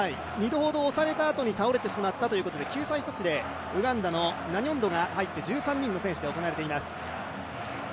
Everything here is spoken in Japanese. ２度ほど押されたあとに倒れてしまったということで、ウガンダのナニョンドが入って１３人の選手で行われています。